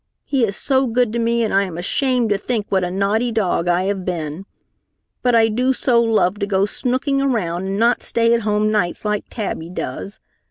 He is so good to me, and I am ashamed to think what a naughty dog I have been. But I do so love to go snooking around and not stay at home nights like Tabby does.